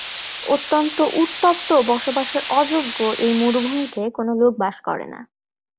অত্যন্ত উত্তপ্ত ও বসবাসের অযোগ্য এই মরুভূমিতে কোন লোক বাস করে না।